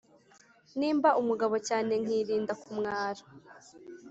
Nimba umugabo cyane Nkirinda kumwara